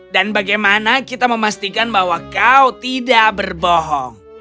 dan bagaimana kita memastikan bahwa kau tidak berbohong